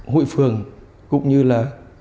hội phường cũng như là